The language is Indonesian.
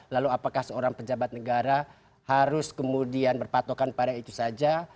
lalu apakah seorang pejabat negara harus kemudian berpatokan pada itu saja